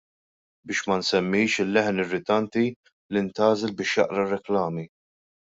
Biex ma nsemmix il-leħen irritanti li ntgħażel biex jaqra r-reklami!